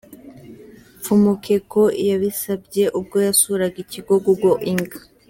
Mfumukeko yabisabye ubwo yasuraga ikigo Google Inc.